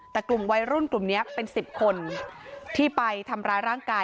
แต่กลุ่มวัยรุ่นกลุ่มนี้เป็น๑๐คนที่ไปทำร้ายร่างกาย